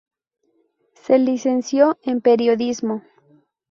Se licenció en Periodismo.